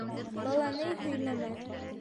Бала ни һөйләмәҫ?